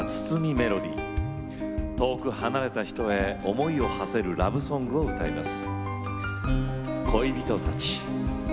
メロディー遠く離れた人への思いをはせるラブソングを歌います。